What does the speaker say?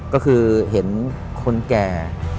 ก็คือเห็นคนแก่